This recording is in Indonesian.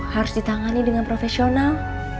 harus ditangani dengan profesional